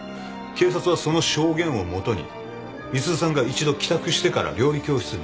警察はその証言をもとに美鈴さんが一度帰宅してから料理教室に戻り